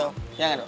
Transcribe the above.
ya ya dong